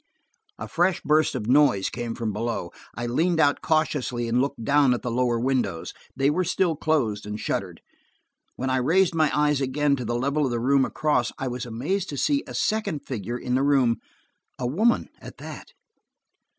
A fresh burst of noise came from below. I leaned out cautiously and looked down at the lower windows; they were still closed and shuttered. When I raised my eyes again to the level of the room across, I was amazed to see a second figure in the room–a woman, at that.